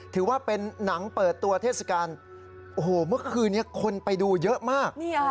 ถือว่าเป็นหนังเปิดตัวเทศกาลโอ้โหเมื่อคืนนี้คนไปดูเยอะมาก